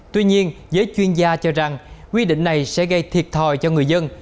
tuy nhiên giới chuyên gia cho rằng quy định này sẽ gây thiệt thòi cho người dân